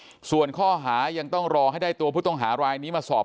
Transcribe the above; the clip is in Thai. ส่วนข้อหายังต้องรอให้ได้ตัวผู้ต้องหารายนี้มาสอบ